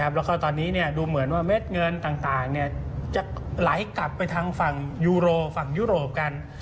แล้วก็ตอนนี้ดูเหมือนว่าเม็ดเงินต่างจะไหลกลับไปทางฝั่งยูโรฝั่งยุโรปกัน